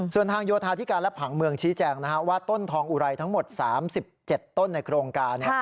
ส่วนทางโยธาธิการและผังเมืองชี้แจงว่าต้นทองอุไรทั้งหมด๓๗ต้นในโครงการ